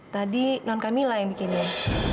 tadi non camilla yang bikinin